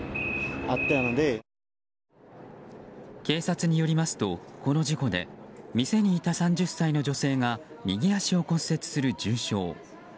警察によりますとこの事故で店にいた３０歳の女性が右足を骨折する重傷。